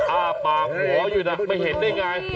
อ้าปากหมออยู่นะไม่เห็นได้ไง